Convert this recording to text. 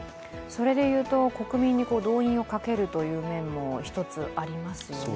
それでいうと国民に動員をかけるという面も１つありますよね。